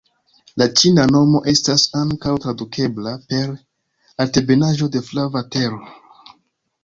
La ĉina nomo estas ankaŭ tradukebla per "Altebenaĵo de Flava Tero".